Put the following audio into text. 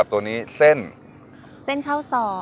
ตัวนี้เส้นเส้นข้าวซอย